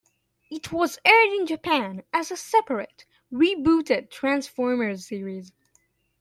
It was aired in Japan as a separate, rebooted Transformers series.